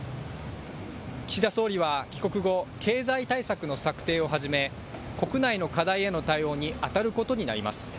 岸田総理は帰国後、経済対策の策定をはじめ国内の課題への対応にあたることになります。